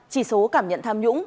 chỉ số cảm nhận tham nhũng